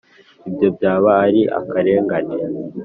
ibyo byaba ari akarengane.